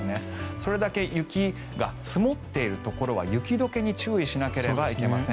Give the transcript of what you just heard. それだけ雪が積もっているところは雪解けに注意しなければいけません。